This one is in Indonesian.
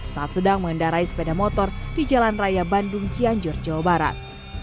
saat sedang mengendarai sepeda motor di jalan raya bandung cianjur jawa barat